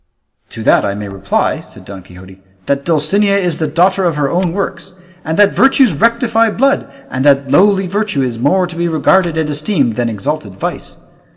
"To that I may reply," said Don Quixote, "that Dulcinea is the daughter of her own works, and that virtues rectify blood, and that lowly virtue is more to be regarded and esteemed than exalted vice.